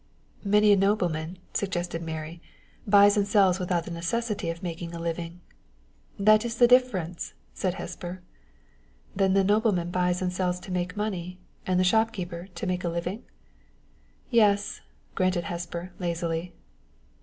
"Many a nobleman," suggested Mary, "buys and sells without the necessity of making a living." "That is the difference," said Hesper. "Then the nobleman buys and sells to make money, and the shopkeeper to make a living?" "Yes," granted Hesper, lazily.